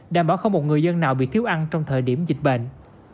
đảm bảo không một người dân nào bị thiếu ăn trong thời điểm dịch bệnh